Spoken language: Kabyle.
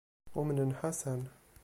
Umnen Ḥasan.